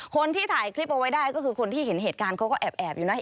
คนที่ถ่ายคลิปเอาไว้ได้ก็คือคนที่เห็นเหตุการณ์เขาก็แอบอยู่นะ